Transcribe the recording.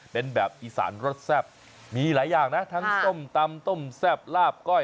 เป็นแบบอีสานรสแซ่บมีหลายอย่างนะทั้งส้มตำต้มแซ่บลาบก้อย